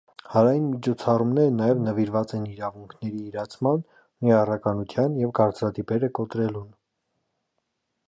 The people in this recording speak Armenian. Հանրային միջոցառումները նաև նվիրված են իրավունքների իրացման, ներառականության և կարծրատիպերը կոտրելուն։